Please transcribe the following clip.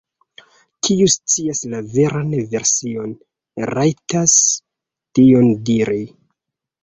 Kiu scias la veran version, rajtas tion diri.